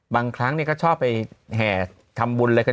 บางครั้งนี่ก็ชอบไปแแห่ทำบุญเลย